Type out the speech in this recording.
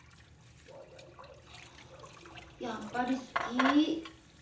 やっぱり好き。